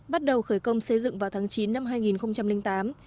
bắt đầu khởi công xây dựng vào tháng chín năm hai nghìn tám